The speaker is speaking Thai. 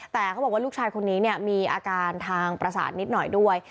แต่เขาบอกว่าลูกชายคนนี้มีอาการทางประสาทนิดหน่อยด้วย